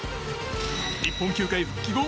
日本球界復帰後